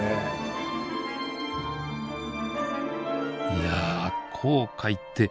いや紅海って